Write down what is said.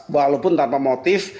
walaupun tanpa motif